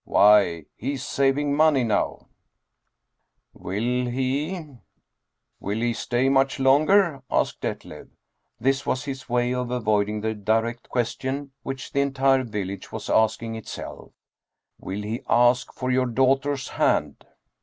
Why, he's saving money now !" "Will he will he stay much longer?" asked Detlev. This was his way of avoiding the direct question which the entire village was asking itself, " Will he ask for your daughter's hand?"